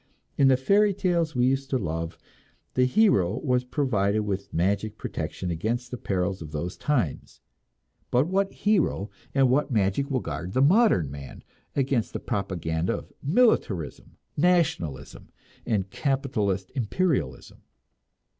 In the fairy tales we used to love, the hero was provided with magic protection against the perils of those times; but what hero and what magic will guard the modern man against the propaganda of militarism, nationalism, and capitalist imperialism?